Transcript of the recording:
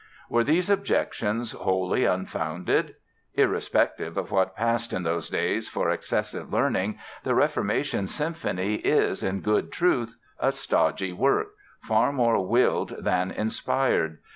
Were these objections wholly unfounded? Irrespective of what passed in those days for excessive "learning" the "Reformation Symphony" is, in good truth, a stodgy work, far more willed than inspired.